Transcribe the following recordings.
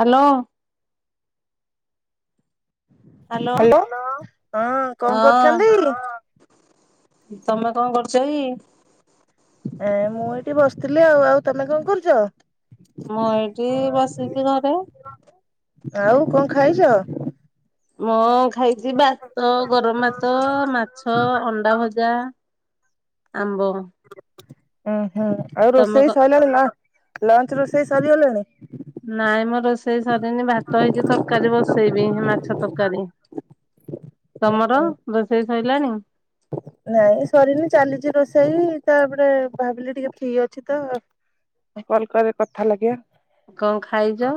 Hello. Hello ହଁ ହଁ କଣ କରୁଚନ୍ତି? ତମେ କଣ କରୁଚ କି? ଏ ମୁଁ ଏଇଠି ବସିଥିଲି ଆଉ, ଆଉ ତମେ କଣ କରୁଚ? ମୁଁ ଏଇଠି ବସିଚି ଘରେ। ଆଉ କଣ ଖାଇଚ? ମୋ ଖାଇଛି ଭାତ, ଗରମ ଭାତ, ଉୁଁ ମାଛ, ଅଣ୍ଡା ଭଜା। ଆମ୍ବ। ଉଁ ହୁଁ। ଆଉ ତମେ କ ରୋଷେଇ ସରିଲାଣି ଲ ଲଞ୍ଚ ରୋଷେଇ ସରିଗଲାଣି? ନାଇଁ ମଁ ରୋଷେଇ ସରିନି ଭାତ ହେଇଚି, ତରକାରୀ ବସେଇବି ମାଛ ତରକାରୀ। ହୁଁ ତମର ହୁଁ ରୋଷେଇ ସରିଲାଣି? ନାଇଁ ସରିନି ଚାଲିଚି ରୋଷେଇ ତାପରେ ଭାବିଲି ଟିକେ ଫ୍ରି ଅଛି ତ କଲ୍ କରେ କଥା ଲାଗିବା। କଣ ଖାଇଚ?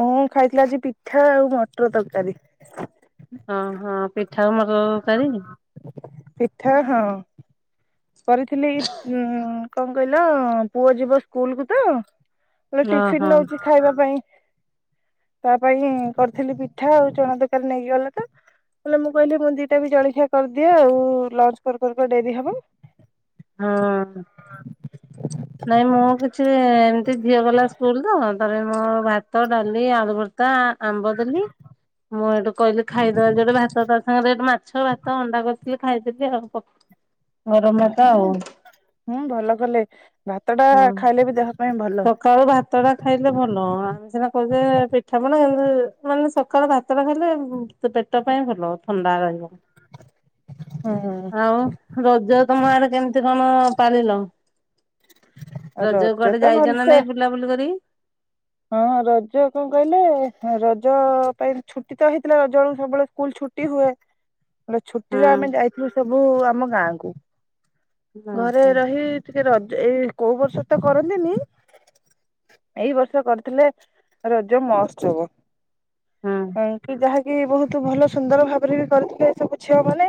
ମୁଁ ଖାଇଥିଲି ଆଜି ପିଠା ଆଉ ମଟର ତରକାରୀ। ଓହୋ। ପିଠା ଆଉ ମଟର ତରକାରୀ? ପିଠା ହଁ। କରିଥିଲି କଣ କହିଲ ପୁଅ ଯିବ ସ୍କୁଲ କୁ ତ। ଓହୋ ଟିଫିିନ ନଉଚି ଖାଇବା ପାଇଁ ତା ପାଇଁ କରିଥିଲି ପିଠା ଆଉ ଚଣା ତକାରୀ ନେଇକି ଗଲା ପା। ହେଲେ ମୁଁ କହିଲି ମୁଁ ଦିଟା ବି ଜଳିଖିଆ କରିଦିଅ ଆଉ ଲଞ୍ଚ କରୁ କରୁକା ଡେରି ହବ। ହଁ। ନାଇଁ, ମୁଁ କିଛି ଏମତି, ଝିଅ ଗଲା ସ୍କୁଲ ତ, ତ ମୋ ଭ ଭାତ, ଡାଲି, ଆଳୁ ଭର୍ତା। ଆମ୍ବ ଦେଲି। ମୁଁ ଏଇଠୁ କହିଲି, ଖାଇଦବା ଯୋଉଟେ ଭାତ, ତା ସାଙ୍ଗରେ। ରେ ମା ମାଛ, ଭାତ, ଅଣ୍ଡା କରିଥିଲି। ଖାଇଥିଲି ଆଉ। ପ ପଖାଳ ହୁଁ ହୁଁ। ଭଲ କଲେ, ଭାତ ଟା ହଁ। ଖାଇଲେ ବି, ଦେହ ପାଇଁ ଭଲ। ସକାଳୁ ଭାତ ଟା ଖାଇଲେ ଭଲ। ଆମେ ସିନା କହୁଛେ, ପିଠା ପଣା, ମାନେ ସକାଳୁ ଭାତ ପଖାଳ ଖାଇଲେ ପେଟ ପାଇଁ ଭଲ। ଥଣ୍ଡା ରହିବ। ହଁ ହଁ। ଆଉ, ରଜ ତମ ଆଡେ କେମିତି କଣ ପାଳିଲ? ରଜ କୁଆଡେ ତ ଯାଇଛ ନା ଭଲସେ ନାଇଁ ବୁଲାବୁଲି କରି? ହଁ। ରଜ କଣ କହିଲେ, ରଜ ପାଇଁ ଛୁଟି ତ ହେଇଥିଲା, ରଜ ବେଳକୁ ସବୁବେଳେ ସ୍କୁଲ ଛ ଟି ହୁଏ। ହୁଁ ଛୁଟିରେ ଆମେ ଯାଇଥିଲୁ ସବୁ, ଆମ ଗାଁ କୁ। ଘରେ ଓହୋ ରହି ଟିକେ ରଜ ଏଇ କୋଉ ବର୍ଷ ତ କରନ୍ତିନି, ଏଇ ବର୍ଷ କରିଥିଲେ, ରଜ ମହୋତ୍ସବ ହୁଁ କି ଯାହା କି ବହୁତ ଭଲ, ସୁନ୍ଦର ଭାବରେ ବି କରିଥିଲେ। ସବୁ ଝିଅ ମାନେ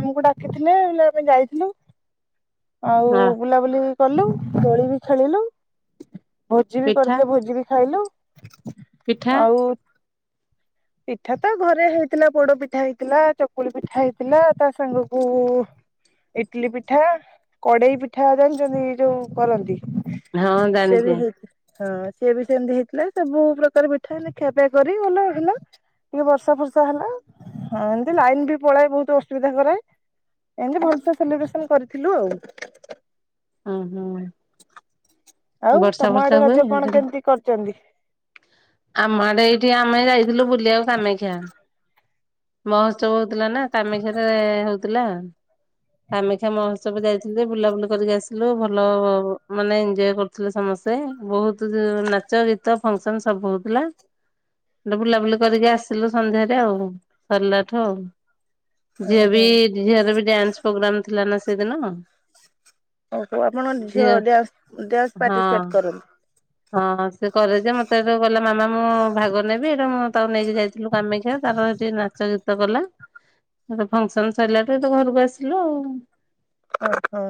ଆମକୁ ଡାକିଥିଲେ, ବଲେ ଆମେ ଯାଇଥିଲୁ [inaudible] ଆଉ ବୁଲାବୁଲି କଲୁ, ଦୋଳି ବି ଖେଳିଲୁ, ଭୋଜି ବି କରି ପିଠା ଭୋଜି ବି ଖାଇଲୁ। ପିଠା ଆଉ ପିଠା ତ ଘରେ ହେଇଥିଲା। ପୋଡ ପିଠା ହେଇଥିଲା। ଚକୁଳି ପିଠା ହେଇଥିଲା। ତା ସାଙ୍ଗକୁ ଇଟଲିି ପିଠା, କଡେଇ ପିଠା ଜାଣିଛନ୍ତି ଏଇ ଯୋଉ କରନ୍ତି? ହଁ ସେ ଜାଣିଛି। ବି ହେଇକି ହଁ ସିଏ ବି ସେମିତି ହେଇଥିଲା ସବୁ ପ୍ରକାର ପିଠା ଏ ଖିଆପିଆ କରି ଭଲ ହେଲା। ଟିକେ ବର୍ଷା ଫର୍ଷା ହେଲା। ହଁ, ଏମତି ଲାଇନ ବି ପଳାଏ, ବହୁତ ଅସୁବିଧା କରେ। ଏମତି ଭଲସେ ସେଲିବ୍ରେସନ କରିଥିଲୁ ଆଉ। ହଁ ହଁ। ଆଉ, ତମ ଆଡେ ରଜ ହୁଏ? କଣ କେମିତି କରିଛନ୍ତି? ଆମ ଆଡେ, ଏଇଠି ଆମେ ଯାଇଥିଲୁ। ବୁଲିବାକୁ କାମାକ୍ଷା। ବସ୍ ହଉଥିଲା ନା କାମାକ୍ଷା ରେ ହଉଥିଲା। କାମାକ୍ଷା ମହୋତ୍ସବ ଯାଇଥିଲେ, ବୁଲାବୁଲି କରିକ ଆସି ଭଲ ମାନେ ଏଞଜୟ କରୁଥିଲେ ସମସ୍ତେ ବହୁତ ନାଚ ଗୀତ ଫଙ୍କସ ସବୁ ହଉଥିଲା। ଗଟେ ବୁଲାବୁଲି କରିକି ଆସିଲୁ ସନ୍ଧ୍ୟାରେ ଆଉ ସରିଲା ଠୁ ଆଉ ଝିଏ ବି ଓହୋ ଝିଅର ବି ଡ୍ୟାନ୍ସ ପ୍ରୋଗ୍ରାମ ଥିଲା ନା ସେଦିନ ହଉଉ ଆପଣଙ୍କ ଝିଅ ଝିଅଡ୍ୟାନ୍ ଡ୍ୟାନ୍ସ ହଁ। ପାର୍ଟିସିପେଟ୍ କରନ୍ତୁ ହଁ ସେ କରେ ଯେ ମତେ ଏଇଠୁ ଗଲା ମାମା ମୁଁ ଭାଗ ନେବି ଏଇଟା ମୁଁ ତାକୁ ନେଇକି ଯାଇଥିଲୁ କାମାକ୍ଷା ତାର ଏଠି ନାଚ ଗୀତ ଗଲା। ଫଙ୍କସନ ସରିଲା ଟୁ ତ ଘରକୁ ଆସିଲୁ ଆଉ। ହ ହଁ।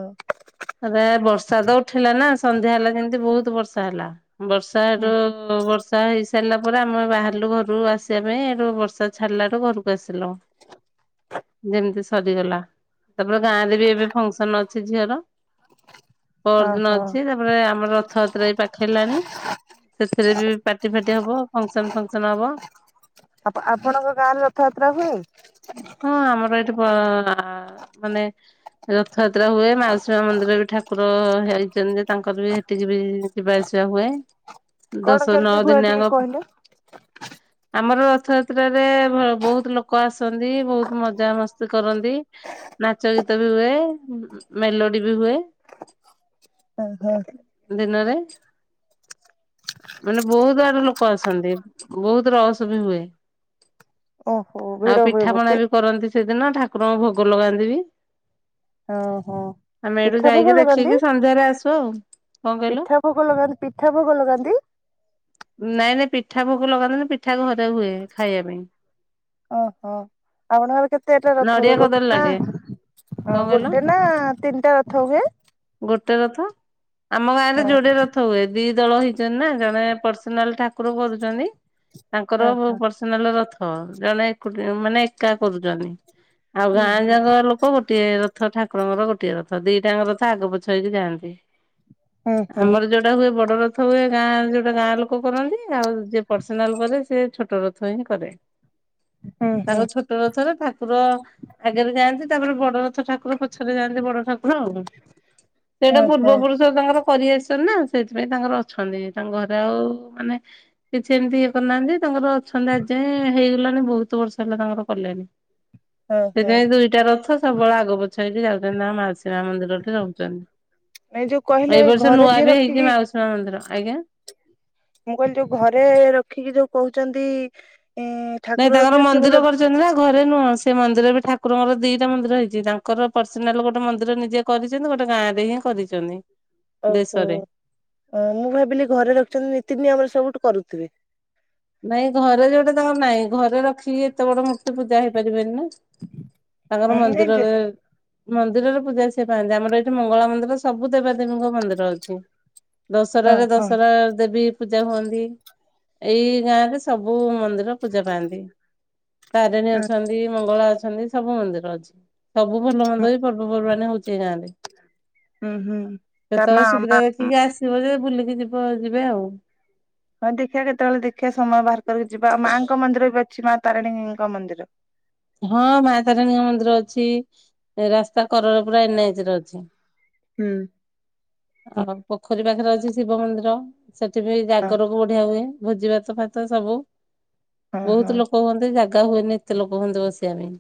ବେ ବର୍ଷା ତ ଉଠିଲା ନା ସନ୍ଧ୍ୟା ହେଲା ଯେମତି ବହୁତ ବର୍ଷା ହେଲା ବର୍ଷା ତାର ବର୍ଷା ହେଇସାରିଲା ପରେ ଆମେ ବାହାରିଲୁ ଘରୁ ଆସିବା ପାଇଁଠୁ ବର୍ଷା ଛାଡିଲାଟୁ ଘରକୁ ଆସିଲା। ଯେମିତି ସରିଗଲା ତାପରେ ଗାଁ ରେ ବି ଏବେ ଫଙ୍କସନ ଅଛି ଝିଅର ପଅରଦିନ ଓହୋ ଅଛି ତାପରେ ଆମର ରଥଯାତ୍ରା ବି ପାଖ- ହେଲାଣି ସେଥିରେ ବି ପାର୍ଟି ଫାଟି ହବ ଫଙ୍କସନ ଫଙ୍କସନ ହବ। ଆପଣଙ୍କ ଗାଁ ରେ ରଥଯାତ୍ରା ହୁଏ? ହଁ ଆମର ଏଇଠି ମା ମାନେ ରଥଯାତ୍ରା ହୁଏ ମାଉସୀ ମା ମନ୍ଦିରରେ ବି ଠାକୁର ହେଇଛନ୍ତି ତାଙ୍କର ବି ହେଠ ଯିବି ଯିବା ଆସିବା ହୁଏ କଣ ଦଶ ନଅ କେମିତି ହୁଏ ଦିନ ଟିକେ ଯାକ କହିଲେ? ଆମର ରଥଯାତ୍ରାରେ ଭ ବୋହୁତ ଲୋକ ଆସନ୍ତି ବୋହୁତ ମଜା ମସ୍ତି କରନ୍ତି। ନାଚ ଗୀତ ବି ହୁଏ ଉଁ ଉଁ ମେଲୋଡି ବି ହୁଏ। ଓ ହ। ଦିନରେ। ମାନେ ବୋହୁତ ଆଡେ ଲୋକ ଅସନ୍ତି ବହୁତ ରସ ବି ହୁଏ। ଓହୋ ଭିଡ ଆଉ ହୁଏ ପିଠା ପଣା ବୋଧେ ବି କରନ୍ତି ସେଦିନ ଠାକୁରଙ୍କୁ ଭୋଗ ଲଗାନ୍ତି ବି। ହଁ ହଁ। ଆମେ ଏଇଠୁ ଯାଇକି ଦେଖିକି ସନ୍ଧ୍ୟାରେ ଆସୁ ଆଉ। କଣ କହିଲ? ପିଠା ଭୋଗ ଲଗାନ୍ତି ପିଠା ଭୋଗ ଲଗାନ୍ତି? ନାଇଁ ନାଇଁ ପିଠା ଭୋଗ ଲଗାନ୍ତିନି ପିଠା ଘରେ ହୁଏ ଖାଇବା ପାଇଁ। ଓହୋ ଆପଣଙ୍କର କେତେଟା ରଥ ନଡିଆ ହୁଏ ଗୋଟେ କଦଳୀ ନା ଲାଗେ କଣ ହଁ କହିଲ ଗୋଟେ ନା ତିନିଟା ରଥ ହୁଏ? ଗୋଟେ ରଥ ହଃ ଆମ ଓ ଗାଁରେ ଯୋଡ଼େ ର ଥ ହୁଏ ଦି ଦଳ ହେଇଛନ୍ତି ନା ଜଣେ ପର୍ସନାଲ୍ ଠାକୁର କରୁଛନ୍ତି ତାଙ୍କର ବ ଓହୋ। ପର୍ସ ସନାଲ୍ ରଥ ଜଣେ ଏକୁଟି ମାନେ ଏକା କରୁଛନ୍ତି ଆଉ ହୁଁ ଗାଁ ହୁଁ। ଯାକ ଲୋ କ ଗୋଟିଏ ରଥ ଠାକୁରଙ୍କର ଗୋଟିଏ ରଥ ଦିଟା ଆଙ୍କ ରଥ ଆଗ ପଛ ହେଇକି ଯାଆନ୍ତି। ହୁଁ ହୁଁ ଆମର ଯୋ ଟା ହୁଏ ବଡ଼ ରଥ ହୁଏ ଗାଁ ଯୋଉଟା ଗାଁ ଲୋକ କରନ୍ତି ଆଉ ଯିଏ ପର୍ସନାଲ କରେ ସେ ଛୋଟ ରଥ ହିଁ କରେ। ହୁଁ ହୁଁ ତାଙ୍କ ଛୋଟ ରଥରେ ଠାକୁର ଆଗରେ ଯାଆନ୍ତି ତାପରେ ବଡ଼ ରଥ ଠାକୁର ପ ପଛରେ ଯାଆନ୍ତି ବଡ଼ ଠାକୁର ଆଉ ସେଇଟା ହଁ ହଁ ପୂର୍ବ ପୁରୁଷ ତାଙ୍କର କରି ଆସିଛନ୍ତି ନା ସେଇଥିପାଇଁ ତାଙ୍କର ଅଛନ୍ତି ତାଙ୍କ ଘରେ ଆଉ ମାନେ କିଛି ଏମିତି କରିନାହାନ୍ତି ତାଙ୍କର ଅଛନ୍ତି ଆଜି ଯାଏଁ ହେଇଗଲାଣି ବୋହୁତ ବର୍ଷ ହେଲା ତାଙ୍କର କଲେଣି। ହଁ ହଁ ସେଇଥିପାଇଁ ଦୁଇଟା ରଥ ସବୁବେଳେ ଆଗ ପଛ ହେଇକି ଯାଉଛନ୍ତି ନା ମାଉସୀମା ମନ୍ଦିରଠି ରହୁଛନ୍ତି। ଏ ଯୋଉ କହିଲେ ଏଇ ବର୍ଷ ଘରେ ନୂଆ ଯିଏ ବି ହେଇଛି ରଖିକି ମାଉସୀ ମା ମନ୍ଦିର ଆଜ୍ଞା। ମୁଁ କହିଲି ଯୋଉ ଘରେ ରଖିକି ଯୋଉ କହୁଛନ୍ତି ଏଁ ନାଇଁ ତାଙ୍କର ମନ୍ଦିର କରିଛନ୍ତି ନା ଘରେ ନୁହଁ ସେ ମନ୍ଦିର ବି ଠାକୁରଙ୍କର ଦି ଟା‌ ମନ୍ଦିର ହେଇଛି ତାଙ୍କର ପର୍ସନାଲ୍ ଗୋଟେ ମନ୍ଦିର ନିଜେ କରିଛନ୍ତି ଗୋଟେ ଗାଁ ରେ ହିଁ କରିଛନ୍ତି। ଓହୋ ଦେଶରେ। ଅଁ ମୁଁ ଭାବିଲି ଘରେ ରଖିଛନ୍ତି ନୀତି ନିୟମରେ ସବୁ ଟୁ କରୁଥିବେ। ନାଇଁ ଘରେ ଯୋଉଟା ତାଙ୍କର ନାଇଁ ଘରେ ରଖିକି ଏତେ ବଡ଼ ମୂର୍ତ୍ତି ପୂଜା ହେଇପାରିବେନି ନା। ତାଙ୍କର ହୁଁ ଏଇ ଯେ ମନ୍ଦିରରେ ମନ୍ଦିରରେ ପୂଜା ସେ ପାଆନ୍ତି ଆମର ଏଇଠି ମଙ୍ଗଳା ମନ୍ଦିର ସବୁ ଦେବାଦେବୀଙ୍କ ମନ୍ଦିର ଅଛି। ହଁ ଦଶରାରେ ହଁ ଦଶରା ଦେବୀ ପୂଜା ହୁଅନ୍ତି ଏଇ ଗାଁ ରେ ସ୍ ସବୁ ମନ୍ଦିର ପୂଜା ପାଆନ୍ତି ତାରିଣୀ ହୁଁ ଅଛନ୍ ତି ମଙ୍ଗଳା ଅଛନ୍ତି ସବୁ ମନ୍ଦିର ଅଛି ସବୁ ଭଲ ମନ୍ଦ ବି ପର୍ବପର୍ବାଣି ହଉଛି ଏ ଗାଁରେ। ହୁଁ ହୁଁ ତା ମା କେତେବେଳେ ମା ସୁବିଧା ଦେଖିକି ଆସିବ ଯେ ବୁଲିକି ଯିବ ଯିବେ ଆଉ। ହଁ ଦେଖିବା କେତେବେଳେ ଦେଖିଆ ସମୟ ବାହାର କରିକି ଯିବା ଆଉ ମାଙ୍କ ମନ୍ଦିର ବି ଅଛି ମା ତାରିଣୀ ଙ୍କ ମନ୍ଦିର? ହଁ ମା ତାରିଣୀଙ୍କ ମନ୍ଦିର ଅଛି ରାସ୍ତା କରରେ ପୁରା ଏନ୍ଏଚ୍ ରେ ଅଛି। ହୁଁ। ଆଉ ପୋଖରୀ ପାଖରେ ଅଛି ଶିବ ମନ୍ଦିର ସେଠି ବି ହଁ ଜାଗରକୁ ବଢ଼ିଆ ହୁଏ। ଭୋଜି ଭାତ ଫାତ ସବୁ ହଁ ବୋହୁତ ହଁ ଲୋକ ହୁଅନ୍ତି ଜାଗା ହୁଏନି ଏତେ ଲୋ ବନ୍ଧୁ ବସିବା ପାଇଁ।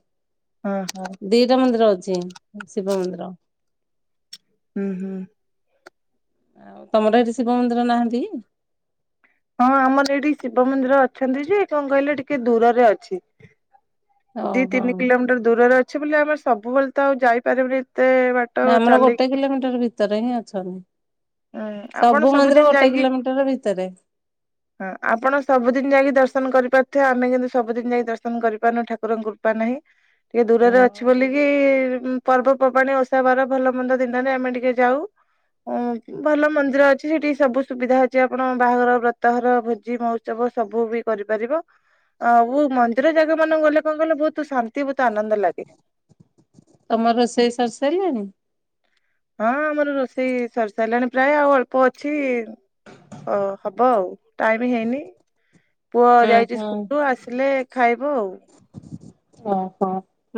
ଅଁ ହ। ଦି ଟା ମନ୍ଦିର ଅଛି ହୁଁ ଶିବ ମନ୍ଦିର। ଉଁ ହୁଁ। ଆଉ ତମର ହେଠି ଶିବ ମନ୍ଦିର ନାହାନ୍ତି? ହଁ ଆମର ସେଇଠି ଶିବ ମନ୍ଦିର ଅଛନ୍ତି ଯେ କଣ କହିଲେ ଟିକେ ଦୂରରେ ଅଛି। ଦି ଓହୋ ତିନି କିଲୋମିଟର ଦୂରରେ ଅଛି ବୋଲି ଆମର ସବୁବେଳେ ତ ଆଉ ଯାଇପାରିବୁ ନି ଏତେ ବାଟ୍ ନା ଆମର ଗୋଟେ କିଲୋମିଟର ଭିତରେ ହିଁ ଅଛନ୍ତି। ହୁଁ ଆପଣ ସବୁ ମନ୍ଦିର ସବୁଦିନ ଗୋଟେ ଯାଇକି କିଲୋମିଟର ଭିତରେ। ହଁ ଆପଣ ସବୁଦିନ ଯାଇକି ଦର୍ଶନ କରିପାରୁଥିବେ ଆମେ କିନ୍ତୁ ସବୁଦିନ ଯାଇ ଦର୍ଶନ କରିପାରୁନୁ ଠାକୁର ଙ୍କୁ। ତ ନାହିଁ ଟିକେ ଦୂରରେ ହଁ, ଅଛି। ବୁଲିକି ପର୍ବପର୍ବାଣି ଓଷା ବାର ଭଲ ମନ୍ଦ ଦିନରେ ଆମେ ଟିକେ ଯାଉ। ଉଁ [inaudible] ଭଲ ମନ୍ଦିର ଅଛି ସେଠି ସବୁ ସୁବିଧା ଅଛି ଆପଣ ବାହାଘର ବ୍ରତ ଘର ଭୋଜି ମଉ ସ୍ଥବ ସବୁ ବି କରିପାରିବ। ଆ ଉ ମନ୍ଦିର ଜାଗା ମାନଙ୍କୁ ଗଲେ କଣ କଲେ ବହୁତ ଶାନ୍ତି ବହୁତ ଆନନ୍ଦ ଲାଗେ। ତମ ରୋଷେଇ ସରି ସାଇଲାଣି। ହଁ ଆମର ରୋଷେଇ ସରି ସାଇଲାଣି ପ୍ରାୟ ଆଉ ଅଳ୍ପ ଅଛି। ଅ ହବ ଆଉ ଟାଇମ ହେଇନି। ପୁଅ ହୁଁ ଯାଇଛି ହୁଁ ସ୍କୁଲ ଆସିଲେ ଖାଇବ ଆଉ। ଓହୋ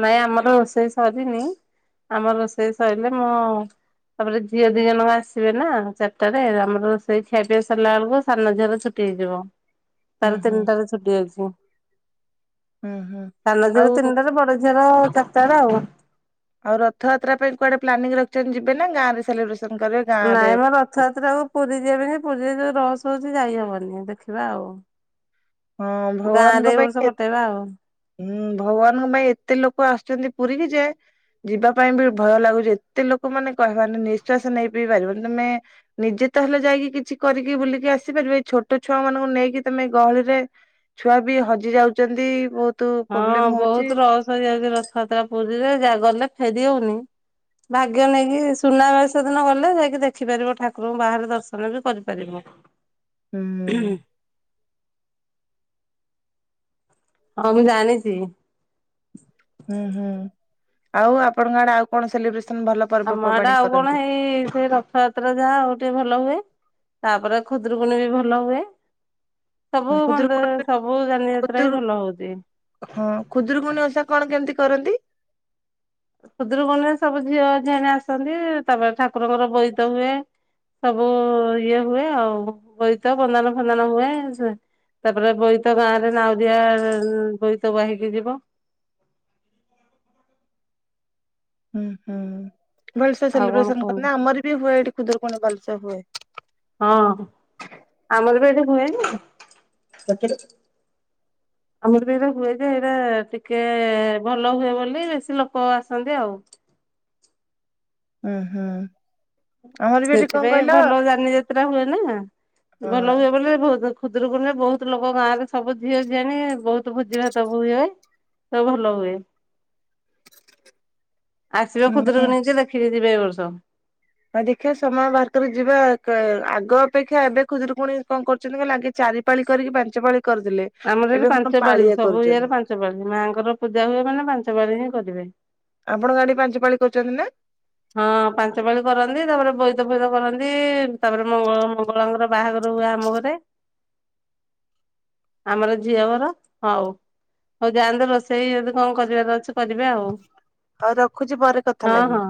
ନାଇଁ ଆମର ରୋଷେଇ ସରିନି। ଆମର ରୋଷେଇ ସଇଲେ ମୁଁ। ତାପରେ ଝିଅ ଦି ଜଣ‌ ଜାକ ଆସିବେ ନା ଚାରିଟା ରେ ଆମ ରୋଷେଇ ଖିଆ ପିଆ ସରିଲା ବେଳକୁ ସାନ ଝିଅର ଛୁ ଟି ହେଇଯିବ ହୁଁ ତାର ହୁଁ ତିନିଟାରେ ଛୁଟି ଅଛି। ହୁଁ ହୁଁ। ସାନ ଝିଅ ର ଆଉ ତିନିଟା ରେ ବଡ ଝିଅର ଚାରିଟା ରେ ଆଉ। ଆଉ ରଥଯାତ୍ରା ପାଇଁ କୁଆଡେ ପ୍ଲାନିଙ୍ଗ ରଖିଛନ୍ତି ଯିବେ ନା ଗାଁରେ ସେଲିବ୍ରେସନ କରିବେ। ଗାଁ ରେ ନାଇଁ ମ ରଥଯାତ୍ରାକୁ ପୁରୀ ଯିବା ପାଇଁ ଯେ ପୁରୀରେ ଯୋଉ ରସ ହଉଛି ଯାଇ ହବନି ଦେଖିବା ଆଉ। ହଁ ଗାଁରେ ଭଗବାନଙ୍କ ଏଇ ବର୍ଷ ପାଇଁ ଏ କଟେଇବା ଆଉ। ହୁଁ ଭଗବାନଙ୍କ ପାଇଁ ଏତେ ଲୋକ ଆସୁଛନ୍ତି ପୁରୀ କିି ଯେ। ଯିବା ପାଇଁ ବି ଭୟ ଲାଗୁଛି ଏତେ ଲୋକ ମାନେ କହିବାର‌ ନାଇ ନିଃଶ୍ଵାସ ନେଇ ବି ପାରିବନି ତମେ। ନିଜେ ତ ହେଲେ ଯାଇକି କିଛି କରିକି ବୁଲିକି ଆସିପାରିବ ଏଇ ଛୋଟ ଛୁଆ ମାନଙ୍କୁ ନେଇକି ତମେ ଗହଳିରେ। ଛୁଆ ବି ହଜି ଯାଉଛନ୍ତି ବହୁତ। ହଁ ପ୍ରୋବ୍ଲେମ ହଉଛି ବହୁତ ରସ୍ ହେଇଯାଉଛି ରଥୟାତ୍ରା ପୁରୀରେ ଯା ଗଲେ ଫେରି ହଉନି। ଭାଗ୍ୟ ନେଇକି ସୁନାବେସ ଦିନ ଗଲେ ଯାଇକି ଦେଖିପାରିବ ଠାକୁରଙ୍କୁ ବାହାରେ ଦର୍ଶନ ବି କରିପାରିବ। ହୁଁ [unintelligible] ହଁ ମୁଁ ଜାଣିଛି। ହୁଁ ହୁଁ ଆଉ ଆପଣଙ୍କ ଆଡେ ଆଉ କଣ ସେଲିବ୍ରେସନ ଭଲ। ଆମ ଆଡେ ପର୍ବପର୍ବାଣୀ ଆଉ କଣ କରନ୍ତି ହେଇ ସେ ର ରଥ ଯାତ୍ରା ଯାହା ଆଉ ଟିକେ ଭଲ ହୁଏ, ତାପରେ ଖୁଦୁରୁକୁୁଣୀ ବି ଭଲ ହୁଏ। ସବୁ ମନ୍ଦି ଖୁଦୁରୁକୁଣୀ ସବୁ ଯାନି ଯାତ୍ରାବି ଖୁଦୁରୁ ଭଲ ହଉଛି। ହଁ, ଖୁଦୁରୁକୁଣୀ ଓଷା କଣ କେମିତି କରନ୍ତି? ହୁଦୁରିକୁଣୀ ରେ ସବୁ ଝିଅ ଝିଆଣି, ଆସନ୍ତି ତାପରେ ଠାକୁରଙ୍କ ର ବୋଇତ ହୁଏ। ସବୁ ଇଏ ହୁଏ, ଆଉ ବୋଇତ ବନ୍ଦାଣ ଫନ୍ଦାଣ ହୁଏ ସେ। ତାପରେ ବୋଇତ, ଗାଁରେ ନାଉରୀଆ ବୋଇତ ବାହିକି ଯିବ। ହୁଁ ହୁଁ ଭଲସେ ଆଉ କଣ ସେଲିବ୍ରେସନ କରନ୍ତି, କୁହନ୍ତୁ। ଆମର ବି ହୁଏ ଏଠି ଖୁଦୁରୁକୁଣୀ ଭଲସେ ହୁଏ। ହଁ, ଆମର ବି ଏଠି ହୁଏ ଯେ। [inaudible] ଆମର‌ ବି ଏଇରା ହୁଏ ଯେ ଏଇରା ଟିକେ ଭଲ ହୁଏ ବୋଲି ବେଶୀ ଲୋକ ଆସନ୍ତି ଆଉ। ଉଁ ହୁଁ। ଆମର ବି ଏଠି କଣ ସେଥିପାଇଁ କହିଲ ଭଲ ଯାନିଯାତ୍ରା ହୁଏନା, ଅ ଭଲ ହୁଏ ବୋଲି ବହୁତ। ଖୁଦୁରୁକୁଣୀ ରେ ବହୁତ ଲୋକ ଗାଁରେ ସବୁ ଝିଅଝିଆଣୀ ବହୁତ ଭୋଜି ଭାତ ବି ହୁଏ। ସବୁ ଭଲ ହୁଏ। ଆସିବେ ମାନେ ଖୁଦୁରୁକୁଣୀ ଯେ ଦେଖିକି ଯିବେ ଏ ବର୍ଷ। ହଉ ଦେଖିବା, ସମୟ ବାହାର କରି ଯିବା, କା ଆଗ ଅପେକ୍ଷା ଏବେ ଖୁଦୁରୁକୁଣୀ କଣ କରୁଛନ୍ତି କହିଲ, ଆଗେ। ଚାରିପାଳି କରିକି ପାଞ୍ଚପାଳି କରିଦେଲେ। ଆମର ଏଠି ଏବେ କଣ ପାଞ୍ଚପାଳି ପାଳିଆ ସବୁ କରୁଛନ୍ତି ଇଏରେ ପାଞ୍ଚପାଳି, ମାଆଙ୍କର ପୂଜା ହୁଏ ମାନେ ପାଞ୍ଚପାଳି ହିଁ କରିବେ। ଆପଣ ଆଡ଼େ ପାଞ୍ଚପାାଳି କରୁଛନ୍ତି ନା? ହଁ ପାଞ୍ଚପାଳି କରନ୍ତି, ତାପରେ ବୋଇତଫୋଇତ କରନ୍ତି, ତାପରେ ମଙ୍ଗମଙ୍ଗଳାଙ୍କର ବାହାଘର ହୁଏ ଆମଘରେ, ଆମର ଝିଅଘର, ହଉ ହଉ ଯାଆନ୍ତୁ। ରୋଷେଇ ଯଦି କଣ କରିବାର ଅଛି କରିବେ ଆଉ ହଁ ରଖୁଛି ପରେ କଥା ହଁ ହଁ। ଲାଗିବି।